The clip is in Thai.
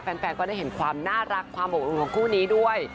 แฟนก็ได้เห็นความน่ารักของคู่นี้ด้วย